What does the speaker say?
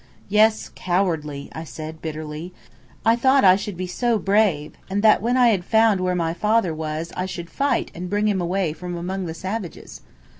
"Yes, cowardly," I said bitterly. "I thought I should be so brave, and that when I had found where my father was I should fight and bring him away from among the savages."